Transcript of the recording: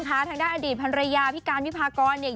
ทางด้านอดีตพันรณยาพิการพิพากร